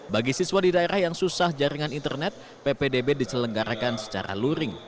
bagi siswa di daerah yang susah jaringan internet ppdb diselenggarakan secara luring